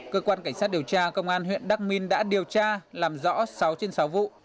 cơ quan cảnh sát điều tra công an huyện đắc minh đã điều tra làm rõ sáu trên sáu vụ